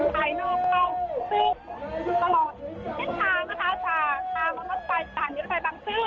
ตามอนต์ไปสถานีเรือนไฟบังซื่อ